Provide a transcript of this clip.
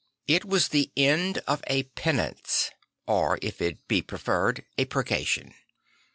It was the end of a penance; or, if it be pre ferred, a purgation.